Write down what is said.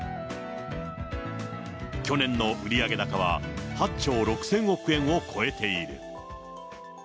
去年の売上高は８兆６０００億円を超えている。